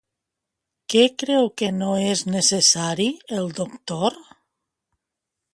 Què creu que no és necessari el doctor?